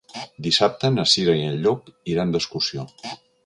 Dissabte na Cira i en Llop iran d'excursió.